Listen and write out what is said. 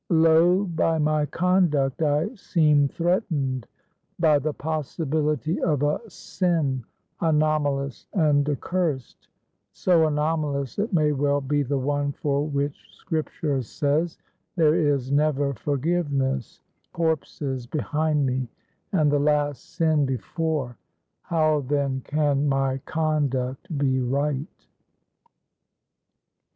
Lo! by my conduct I seem threatened by the possibility of a sin anomalous and accursed, so anomalous, it may well be the one for which Scripture says, there is never forgiveness. Corpses behind me, and the last sin before, how then can my conduct be right?"